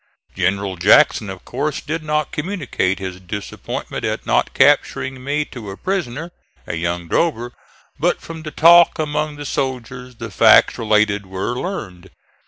General Jackson of course did not communicate his disappointment at not capturing me to a prisoner, a young drover; but from the talk among the soldiers the facts related were learned.